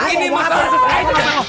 ini masalah sesuatu